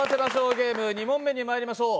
ゲーム、２問目にまいりましょう。